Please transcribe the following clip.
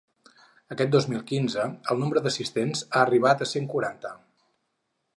Aquest dos mil quinze, el nombre d’assistents ha arribat als cent quaranta.